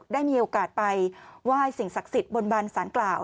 ได้มีโอกาสไปไหว้สิ่งศักดิ์สิทธิ์บนบันสารกล่าว